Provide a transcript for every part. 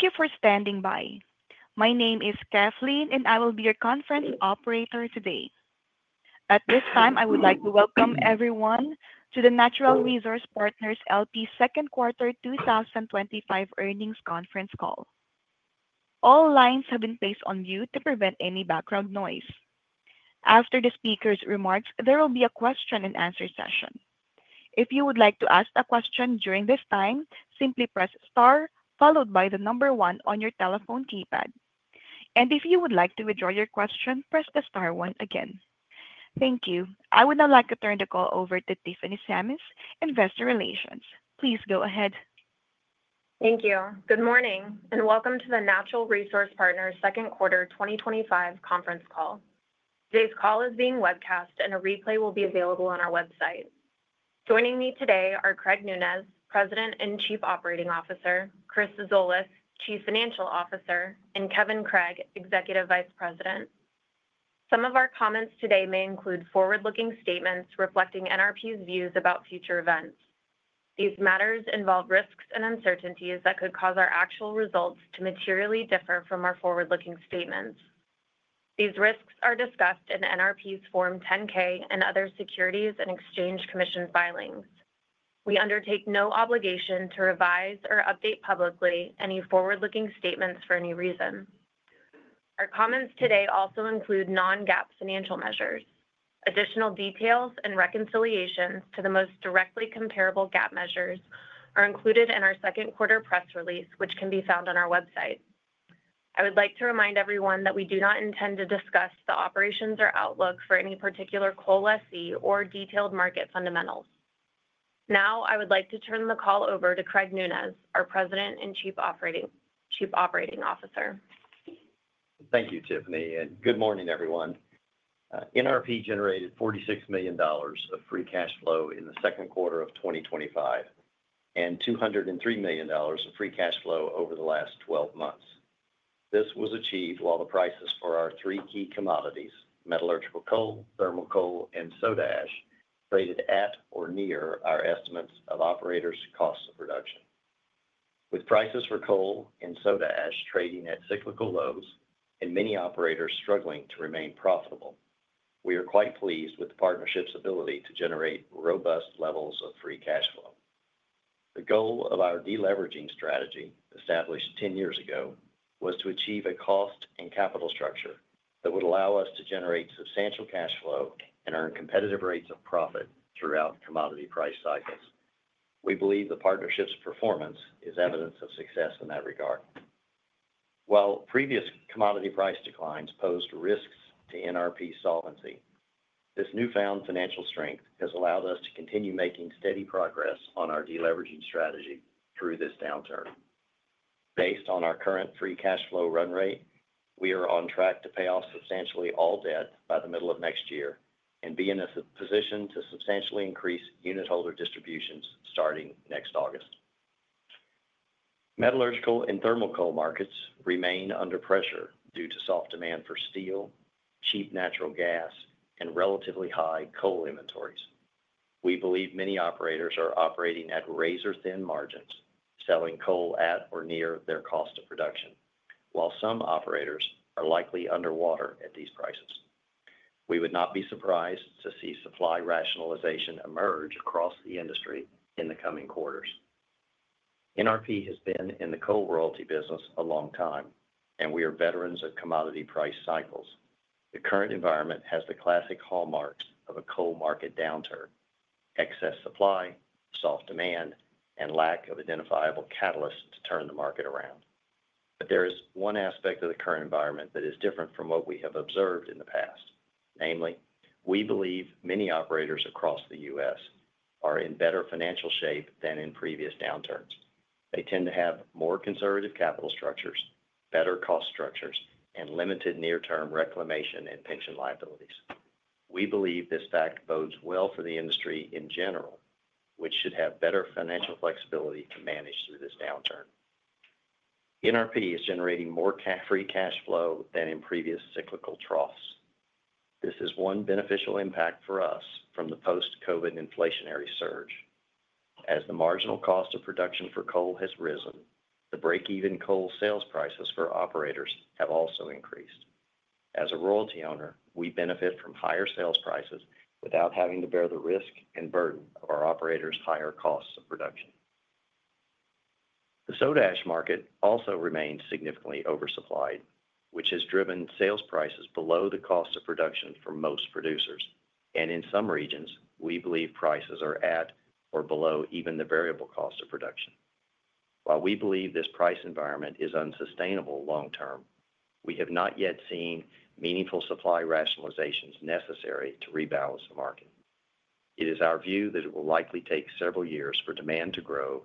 Thank you for standing by. My name is Kathleen, and I will be your conference operator today. At this time, I would like to welcome everyone to the Natural Resource Partners LP Second Quarter 2025 Earnings Conference Call. All lines have been placed on mute to prevent any background noise. After the speaker's remarks, there will be a question and answer session. If you would like to ask a question during this time, simply press star followed by the number one on your telephone keypad. If you would like to withdraw your question, press the star one again. Thank you. I would now like to turn the call over to Tiffany Sammis, Investor Relations. Please go ahead. Thank you. Good morning and welcome to the Natural Resource Partners Second Quarter 2025 Conference Call. Today's call is being webcast, and a replay will be available on our website. Joining me today are Craig Nunez, President and Chief Operating Officer; Chris Zolas, Chief Financial Officer; and Kevin Craig, Executive Vice President. Some of our comments today may include forward-looking statements reflecting NRP's views about future events. These matters involve risks and uncertainties that could cause our actual results to materially differ from our forward-looking statements. These risks are discussed in NRP's Form 10-K and other Securities and Exchange Commission filings. We undertake no obligation to revise or update publicly any forward-looking statements for any reason. Our comments today also include non-GAAP financial measures. Additional details and reconciliations to the most directly comparable GAAP measures are included in our second quarter press release, which can be found on our website. I would like to remind everyone that we do not intend to discuss the operations or outlook for any particular coal lessee or detailed market fundamentals. Now, I would like to turn the call over to Craig Nunez, our President and Chief Operating Officer. Thank you, Tiffany, and good morning, everyone. NRP generated $46 million of free cash flow in the second quarter of 2025 and $203 million of free cash flow over the last 12 months. This was achieved while the prices for our three key commodities: metallurgical coal, thermal coal, and soda ash traded at or near our estimates of operators' costs of production. With prices for coal and soda ash trading at cyclical lows and many operators struggling to remain profitable, we are quite pleased with the partnership's ability to generate robust levels of free cash flow. The goal of our deleveraging strategy, established 10 years ago, was to achieve a cost and capital structure that would allow us to generate substantial cash flow and earn competitive rates of profit throughout commodity price cycles. We believe the partnership's performance is evidence of success in that regard. While previous commodity price declines posed risks to NRP's solvency, this newfound financial strength has allowed us to continue making steady progress on our deleveraging strategy through this downturn. Based on our current free cash flow run rate, we are on track to pay off substantially all debt by the middle of next year and be in a position to substantially increase unitholder distributions starting next August. Metallurgical and thermal coal markets remain under pressure due to soft demand for steel, cheap natural gas, and relatively high coal inventories. We believe many operators are operating at razor-thin margins, selling coal at or near their cost of production, while some operators are likely underwater at these prices. We would not be surprised to see supply rationalization emerge across the industry in the coming quarters. NRP has been in the coal royalty business a long time, and we are veterans of commodity price cycles. The current environment has the classic hallmarks of a coal market downturn: excess supply, soft demand, and lack of identifiable catalysts to turn the market around. There is one aspect of the current environment that is different from what we have observed in the past. Namely, we believe many operators across the U.S. are in better financial shape than in previous downturns. They tend to have more conservative capital structures, better cost structures, and limited near-term reclamation and pension liabilities. We believe this fact bodes well for the industry in general, which should have better financial flexibility to manage through this downturn. NRP is generating more free cash flow than in previous cyclical troughs. This is one beneficial impact for us from the post-COVID inflationary surge. As the marginal cost of production for coal has risen, the break-even coal sales prices for operators have also increased. As a royalty owner, we benefit from higher sales prices without having to bear the risk and burden of our operators' higher costs of production. The soda ash market also remains significantly oversupplied, which has driven sales prices below the cost of production for most producers, and in some regions, we believe prices are at or below even the variable cost of production. While we believe this price environment is unsustainable long-term, we have not yet seen meaningful supply rationalizations necessary to rebalance the market. It is our view that it will likely take several years for demand to grow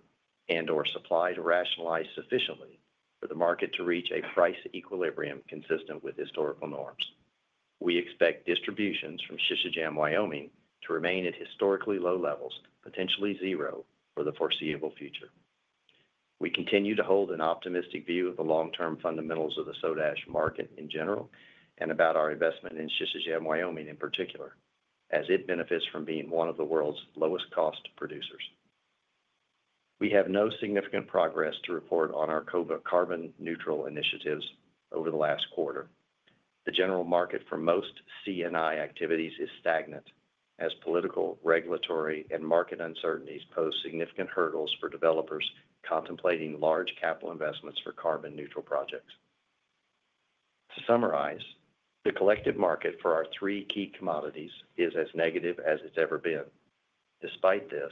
and/or supply to rationalize sufficiently for the market to reach a price equilibrium consistent with historical norms. We expect distributions from Şişecam, Wyoming, to remain at historically low levels, potentially zero, for the foreseeable future. We continue to hold an optimistic view of the long-term fundamentals of the soda ash market in general and about our investment in Şişecam, Wyoming, in particular, as it benefits from being one of the world's lowest cost producers. We have no significant progress to report on our carbon neutral initiatives over the last quarter. The general market for most CNI activities is stagnant as political, regulatory, and market uncertainties pose significant hurdles for developers contemplating large capital investments for carbon neutral projects. To summarize, the collective market for our three key commodities is as negative as it's ever been. Despite this,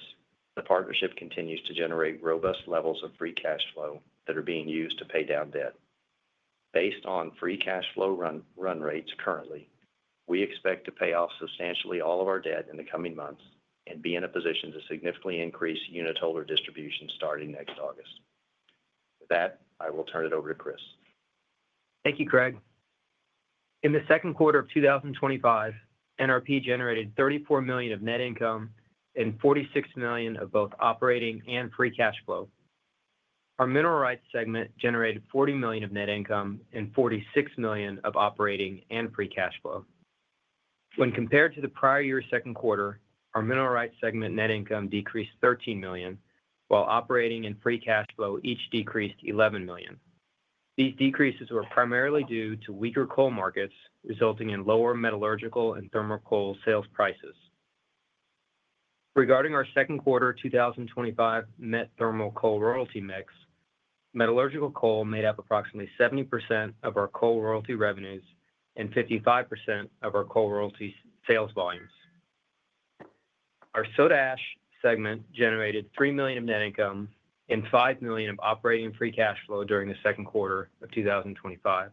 the partnership continues to generate robust levels of free cash flow that are being used to pay down debt. Based on free cash flow run rates currently, we expect to pay off substantially all of our debt in the coming months and be in a position to significantly increase unitholder distributions starting next August. With that, I will turn it over to Chris. Thank you, Craig. In the second quarter of 2025, NRP generated $34 million of net income and $46 million of both operating and free cash flow. Our mineral rights segment generated $40 million of net income and $46 million of operating and free cash flow. When compared to the prior year's second quarter, our mineral rights segment net income decreased $13 million, while operating and free cash flow each decreased $11 million. These decreases were primarily due to weaker coal markets, resulting in lower metallurgical and thermal coal sales prices. Regarding our second quarter 2025 met thermal coal royalty mix, metallurgical coal made up approximately 70% of our coal royalty revenues and 55% of our coal royalty sales volumes. Our soda ash segment generated $3 million of net income and $5 million of operating free cash flow during the second quarter of 2025.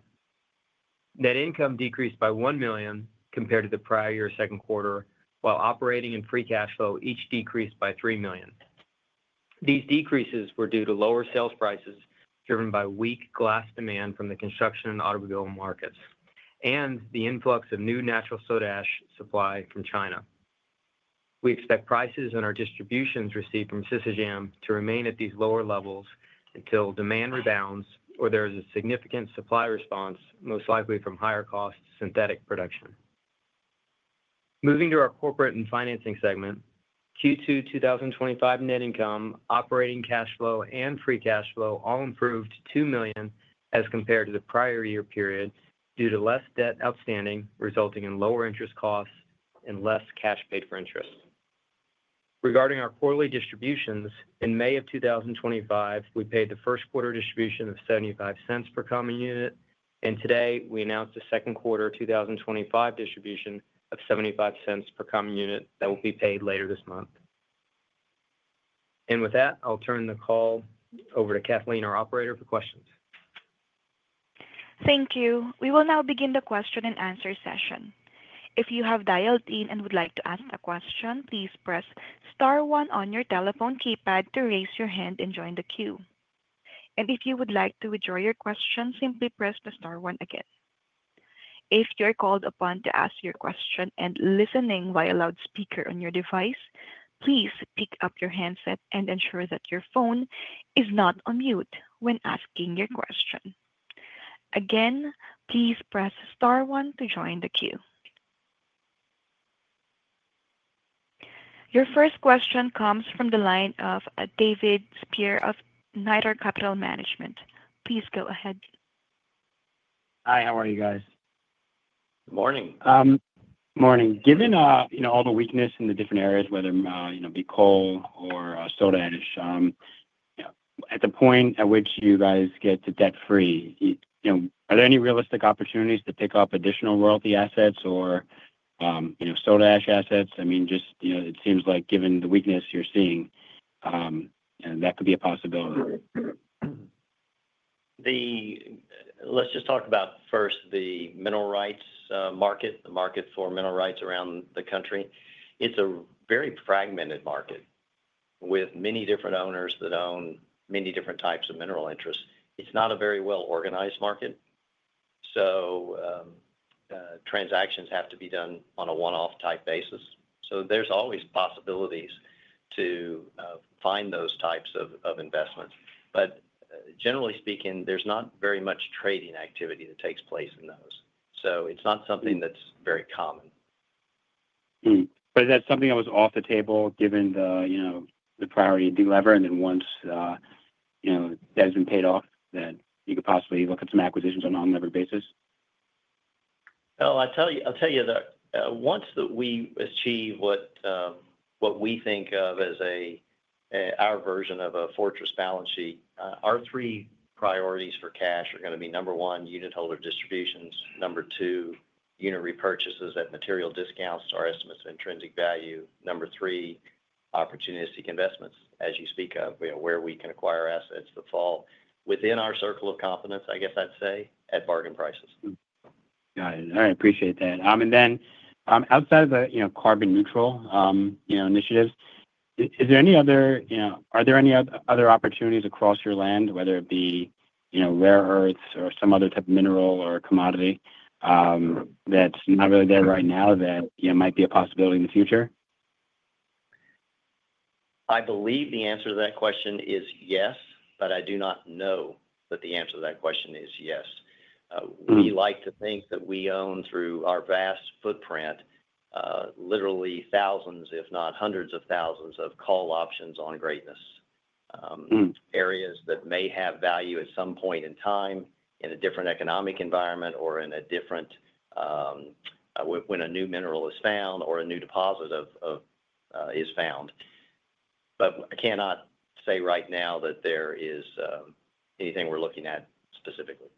Net income decreased by $1 million compared to the prior year's second quarter, while operating and free cash flow each decreased by $3 million. These decreases were due to lower sales prices driven by weak glass demand from the construction and automobile markets and the influx of new natural soda ash supply from China. We expect prices and our distributions received from Şişecam, to remain at these lower levels until demand rebounds or there is a significant supply response, most likely from higher cost synthetic production. Moving to our corporate and financing segment, Q2 2025 net income, operating cash flow, and free cash flow all improved to $2 million as compared to the prior year period due to less debt outstanding resulting in lower interest costs and less cash paid for interest. Regarding our quarterly distributions, in May of 2025, we paid the first quarter distribution of $0.75 per common unit, and today we announced a second quarter 2025 distribution of $0.75 per common unit that will be paid later this month. With that, I'll turn the call over to Kathleen, our operator, for questions. Thank you. We will now begin the question and answer session. If you have dialed in and would like to ask a question, please press star one on your telephone keypad to raise your hand and join the queue. If you would like to withdraw your question, simply press the star one again. If you're called upon to ask your question and listening via loudspeaker on your device, please pick up your handset and ensure that your phone is not on mute when asking your question. Again, please press star one to join the queue. Your first question comes from the line of David Spier of Nitor Capital Management. Please go ahead. Hi, how are you guys? Good morning. Morning. Given all the weakness in the different areas, whether it be coal or soda ash, at the point at which you guys get to debt-free, are there any realistic opportunities to pick up additional royalty assets or soda ash assets? I mean, it seems like given the weakness you're seeing, that could be a possibility. Let's just talk about first the mineral rights market, the market for mineral rights around the country. It's a very fragmented market with many different owners that own many different types of mineral interests. It's not a very well-organized market. Transactions have to be done on a one-off type basis. There's always possibilities to find those types of investments. Generally speaking, there's not very much trading activity that takes place in those. It's not something that's very common. Is that something that was off the table given the, you know, the priority to delever? Once that has been paid off, you could possibly look at some acquisitions on an unlevered basis? Once we achieve what we think of as our version of a fortress balance sheet, our three priorities for cash are going to be number one, unitholder distributions, number two, unit repurchases at material discounts to our estimates of intrinsic value, and number three, opportunistic investments, as you speak of, where we can acquire assets that fall within our circle of competence, I guess I'd say, at bargain prices. Got it. I appreciate that. Outside of the carbon neutral initiatives, are there any other opportunities across your land, whether it be rare earths or some other type of mineral or commodity that's not really there right now that might be a possibility in the future? I believe the answer to that question is yes, but I do not know that the answer to that question is yes. We like to think that we own, through our vast footprint, literally thousands, if not hundreds of thousands, of coal options on greatness, areas that may have value at some point in time in a different economic environment or when a new mineral is found or a new deposit is found. I cannot say right now that there is anything we're looking at specifically.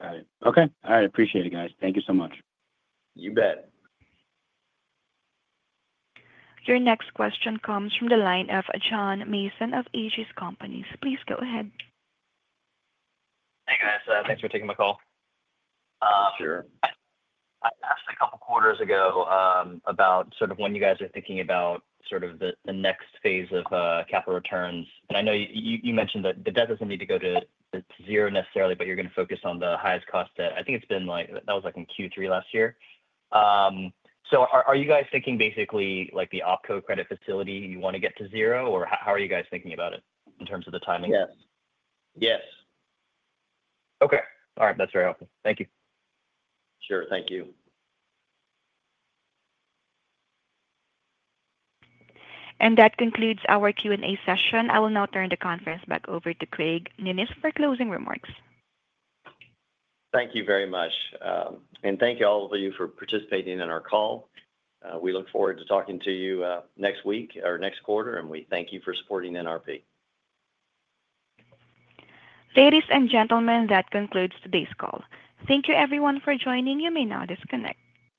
Got it. Okay. All right, I appreciate it, guys. Thank you so much. You bet. Your next question comes from the line of John Mason of Aegis Companies. Please go ahead. Hey, guys, thanks for taking my call. Sure. I asked a couple of quarters ago about when you guys are thinking about the next phase of capital returns. I know you mentioned that the debt doesn't need to go to zero necessarily, but you're going to focus on the highest cost debt. I think it's been like, that was in Q3 last year. Are you guys thinking basically like the OpCo credit facility you want to get to zero, or how are you guys thinking about it in terms of the timing? Yes. Yes. Okay. All right, that's very helpful. Thank you. Sure, thank you. That concludes our Q&A session. I will now turn the conference back over to Craig Nunez for closing remarks. Thank you very much. Thank you all of you for participating in our call. We look forward to talking to you next week or next quarter, and we thank you for supporting NRP. Ladies and gentlemen, that concludes today's call. Thank you, everyone, for joining. You may now disconnect.